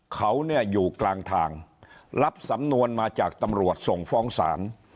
เขาเนี่ยอยู่กลางทางรับสำนวนมาจากตำรวจส่งฟ้องศาล